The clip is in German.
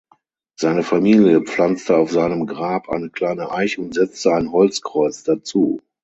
Seine Familie pflanzte auf seinem Grab eine kleine Eiche und setzte ein Holzkreuz dazu.